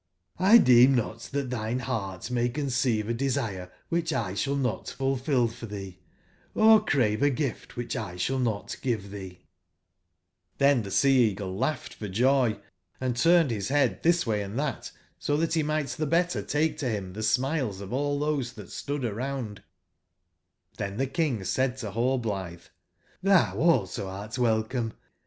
1 deem not that thine heart may conceive a desire which 1 shall not fulfil for thee, or crave a gift which 1 shall not give thee*'j^ tlhen the Sea/eagle laughed for joy, and turned his head this way and that, so that he might the better take to him the smiles of all those that stood around jj^rhen the King said to Rallblithe: ^'Xlhou also art welcome